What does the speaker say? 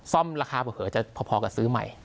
ราคาเผลอจะพอกับซื้อใหม่